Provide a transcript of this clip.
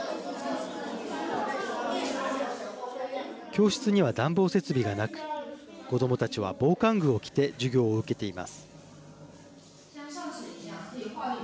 教室には暖房設備がなく子どもたちは防寒具を着て授業を受けています。